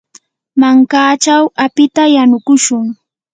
mankachaw apita yanukushun.